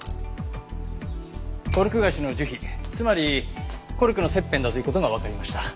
コルク樫の樹皮つまりコルクの切片だという事がわかりました。